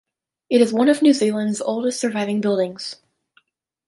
It is one of New Zealand's oldest surviving buildings.